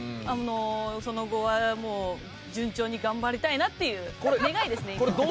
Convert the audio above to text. その後はもう順調に頑張りたいなっていう願いですね今は。